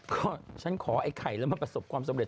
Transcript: ก็ฉันขอไอ้ไข่แล้วมันประสบความสำเร็